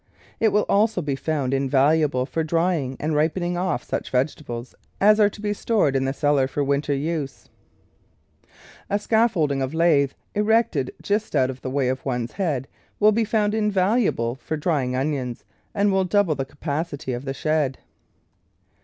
It will also be found invaluable for drying and ripen THE VEGETABLE GARDEN ing off such vegetables as are to be stored in the cellar for winter use. A scaffolding of lath, erected just out of the way of one's head, will be found invaluable for drying onions, and will double the capacit}^ of the shed.